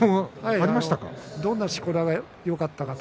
どんなしこ名がよかったとか。